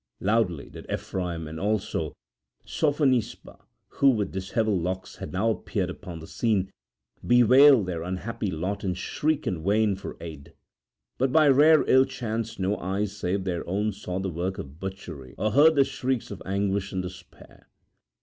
Loudly did Ephraim and also Sophonisba, who, with dishevelled locks, had now appeared upon the scene, bewail their unhappy lot and shriek in vain for aid; but by rare ill chance no eyes save their own saw the work of butchery or heard the shrieks of anguish and despair.